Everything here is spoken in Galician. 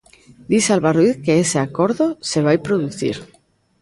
Di Salva Ruiz que ese acordo se vai producir.